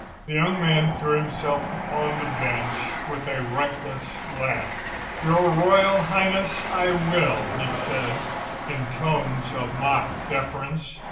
The young man threw himself upon the bench with a reckless laugh. "Your Royal Highness, I will," he said, in tones of mock deference.